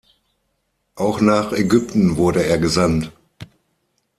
Auch nach Ägypten wurde er gesandt.